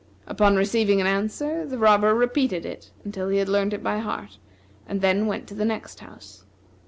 Upon receiving an answer, the robber repeated it until he had learned it by heart, and then went to the next house.